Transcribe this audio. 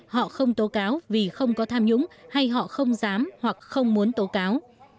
họ không tố cáo vì không có tham nhũng hay họ không dám hoặc không muốn tố cáo